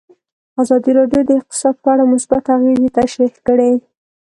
ازادي راډیو د اقتصاد په اړه مثبت اغېزې تشریح کړي.